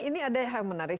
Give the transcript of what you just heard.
ini ada hal menarik